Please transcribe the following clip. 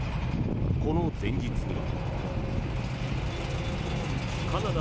この前日には。